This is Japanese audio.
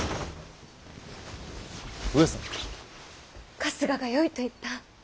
春日がよいと言った。